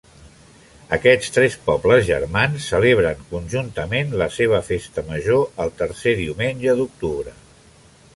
Aquests tres pobles germans celebren conjuntament la seva festa major el tercer diumenge d'octubre.